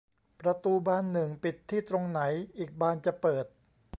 ประตูบานหนึ่งปิดที่ตรงไหน อีกบานจะเปิด